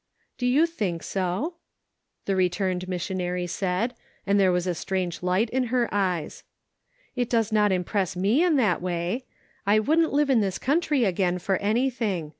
Do you think so ?" the returned missionary said, and there was a strange light in her eyes. " It does not impress me in that way. I wouldn't live in this country again for any thing.